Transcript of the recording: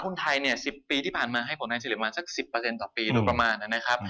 ในปีที่ผ่านมาให้ผลงานจะเหลือมาสัก๑๐ต่อปีหรือประมาณนั้นนะครับ